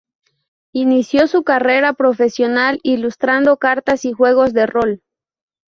Inició su carrera profesional ilustrando cartas y juegos de rol.